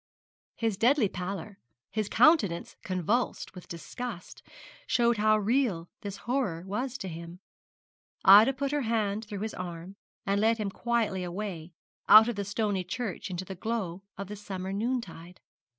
His deadly pallor, his countenance convulsed with disgust, showed how real this horror was to him. Ida put her hand through his arm, and led him quietly away, out of the stony church into the glow of the summer noontide.